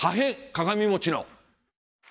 鏡餅の。